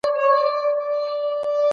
د ژوند حق په اسلام کي روښانه دی.